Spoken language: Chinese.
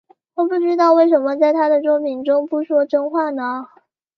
我不知道为什么在他作品中不说真话呢？